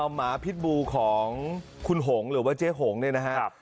หมาพิษบูของคุณหงหรือว่าเจ๊หงเนี่ยนะครับ